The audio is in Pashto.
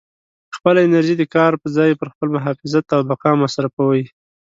خپله انرژي د کار په ځای پر خپل محافظت او بقا مصروفوئ.